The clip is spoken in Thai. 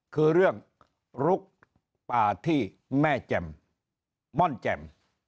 คือเรื่องลุกป่าที่แม่แจ่มม่อนแจ่ม